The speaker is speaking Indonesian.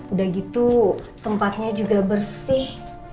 udah gitu tempatnya juga bersih